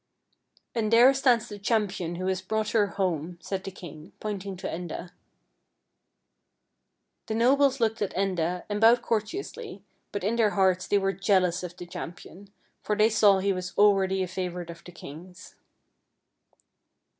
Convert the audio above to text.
" And there stands the champion who has brought her home," said the king, pointing to Enda. The nobles looked at Enda, and bowed cour teously, but in their hearts they were jealous of the champion, for they saw he was already a favorite of the king's.